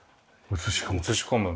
映し込む。